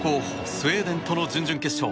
スウェーデンとの準々決勝。